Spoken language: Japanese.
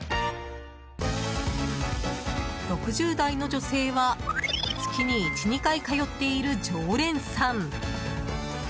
６０代の女性は月に１２回通っている常連さん。